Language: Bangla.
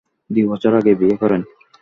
দুই বছর আগে বিয়ে করেন।